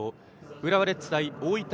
浦和レッズ対大分